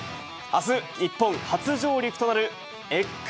あす、日本初上陸となるＸＧａｍｅｓ。